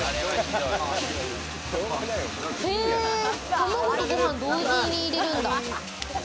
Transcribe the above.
卵にご飯同時に入れるんだ。